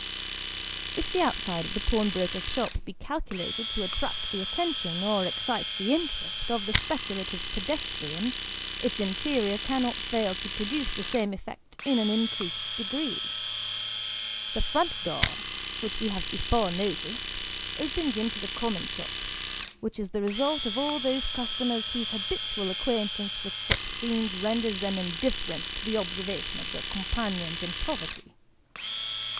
If the outside of the pawnbroker's shop be calculated to attract the attention, or excite the interest, of the speculative pedestrian, its interior cannot fail to produce the same effect in an increased degree. The front door, which we have before noticed, opens into the common shop, which is the resort of all those customers whose habitual acquaintance with such scenes renders them indifferent to the observa tion of their companions in poverty.